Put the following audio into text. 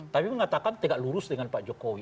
tapi mengatakan tegak lurus dengan pak jokowi